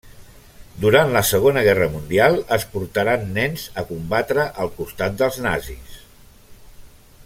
Durant la Segona Guerra mundial, es portaran nens a combatre al costat dels nazis.